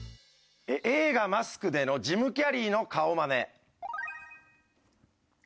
映画『マスク』でのジム・キャリーの顔マネ。